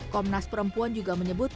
komnas perempuan juga menyebutkan